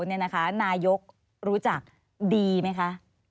นายกรู้จักดีไหมคะ